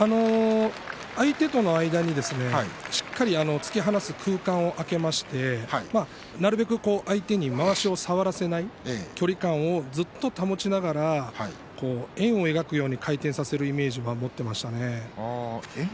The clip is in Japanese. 相手との間に、しっかりと突き放す空間を空けましてなるべく相手にまわしを触らせない距離感をずっと保ちながら円を描くように、回転させるイメージを持っていましたね。